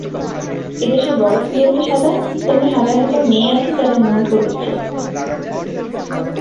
এদেশের বরফ যেমনি সাদা, তেমনি হাজার হাজার মেয়ে আছে, যাদের মন পবিত্র।